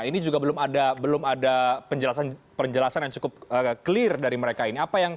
ini juga belum ada penjelasan yang cukup clear dari mereka ini